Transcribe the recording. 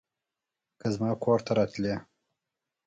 که زما کور ته راتلې